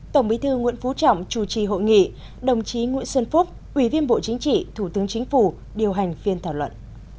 tổng bí thư nguyễn phú trọng chủ trì hội nghị đồng chí nguyễn xuân phúc ủy viên bộ chính trị thủ tướng chính phủ điều hành phiên thảo luận